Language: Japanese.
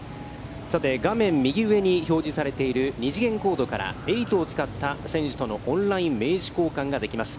さて、画面右上に表示されている二次元コードから「Ｅｉｇｈｔ」を使った選手とのオンライン名刺交換ができます。